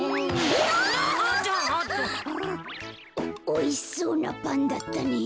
おおいしそうなパンだったね。